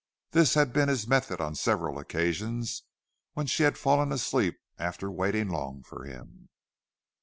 This had been his method on several occasions when she had fallen asleep after waiting long for him.